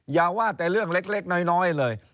อย่าว่าแต่เรื่องเล็กน้อยเลย